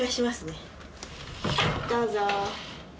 どうぞ。